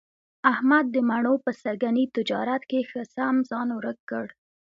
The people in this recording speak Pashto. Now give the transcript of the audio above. احمد د مڼو په سږني تجارت کې ښه سم ځان ورک کړ.